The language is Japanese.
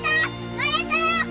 乗れたよ！